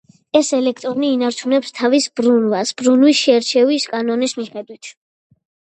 ეს ელექტრონი ინარჩუნებს თავის ბრუნვას ბრუნვის შერჩევის კანონის მიხედვით.